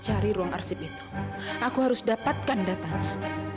aku harus dapatkan datanya